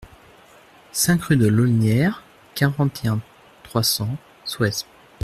cinq rue de l'Aulnière, quarante et un, trois cents, Souesmes